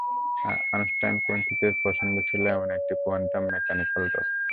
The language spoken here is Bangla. আইনস্টাইনপন্থীদের পছন্দ ছিল এমন একটি কোয়ান্টাম মেকানিক্যাল তত্ত্ব।